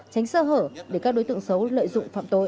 tránh sơ hở để các đối tượng xấu lợi dụng phạm tội